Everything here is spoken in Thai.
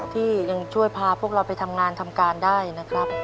ที่ยังช่วยพาพวกเราไปทำงานทำการได้นะครับ